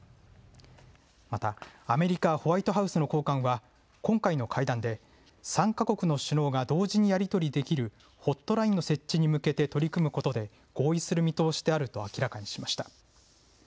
またアメリカ・ホワイトハウスの高官は今回の会談で３か国の首脳が同時にやり取りできるホットラインの設置に向けて取り組むことで合意する見通しであると明らかにしました。